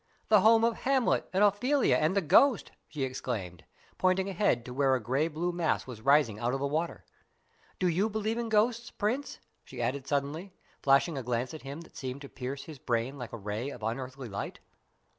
the home of Hamlet and Ophelia and the Ghost!" she exclaimed, pointing ahead to where a grey blue mass was rising out of the water. "Do you believe in ghosts, Prince?" she added suddenly, flashing a glance at him which seemed to pierce his brain like a ray of unearthly light.